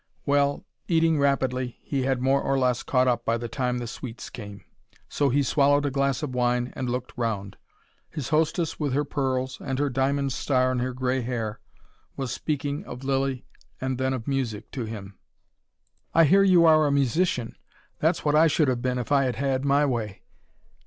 Well, eating rapidly, he had more or less caught up by the time the sweets came. So he swallowed a glass of wine and looked round. His hostess with her pearls, and her diamond star in her grey hair, was speaking of Lilly and then of music to him. "I hear you are a musician. That's what I should have been if I had had my way."